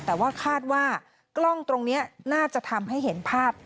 แต่ว่าคาดว่ากล้องตรงนี้น่าจะทำให้เห็นภาพ